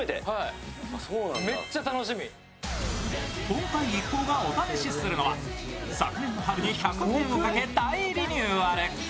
今回、一行がお試しするのは、昨年の春に１００億円をかけ大リニューアル。